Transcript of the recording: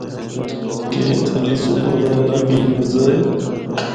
کہ اِتھا دی صبح دا الگ ای مزہ اے۔